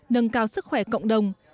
nâng cao sức khỏe cộng đồng